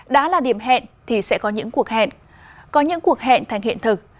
đã là điểm hẹn thì sẽ có những cuộc hẹn có những cuộc hẹn thành hiện thực